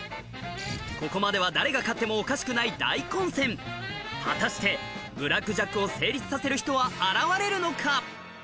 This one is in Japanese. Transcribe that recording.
ここまでは誰が勝ってもおかしくない大混戦果たしてブラックジャックを成立させる人は現れるのか？